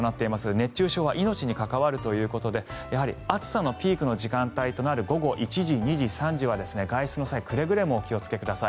熱中症は命に関わるということで暑さのピークの時間帯となる午後１時、２時、３時は外出の際はくれぐれもお気をつけください。